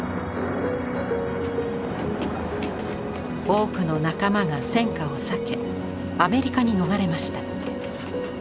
多くの仲間が戦火を避けアメリカに逃れました。